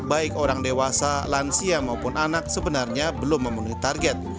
baik orang dewasa lansia maupun anak sebenarnya belum memenuhi target